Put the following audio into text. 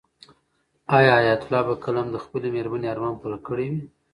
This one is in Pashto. آیا حیات الله به کله هم د خپلې مېرمنې ارمان پوره کړی وي؟